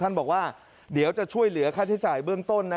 บอกว่าเดี๋ยวจะช่วยเหลือค่าใช้จ่ายเบื้องต้นนะ